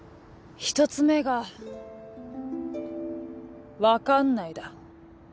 １つ目が「分かんない」だ。